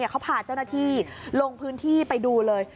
เขาพาเจ้าหน้าที่ลงพื้นที่ไปดูเลย